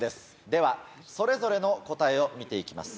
ではそれぞれの答えを見て行きます。